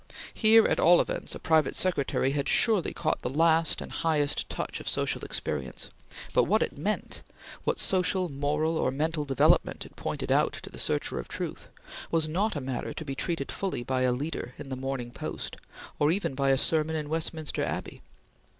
Here, at all events, a private secretary had surely caught the last and highest touch of social experience; but what it meant what social, moral, or mental development it pointed out to the searcher of truth was not a matter to be treated fully by a leader in the Morning Post or even by a sermon in Westminster Abbey.